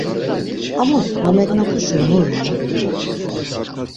Amus va megnapuşi mu ren?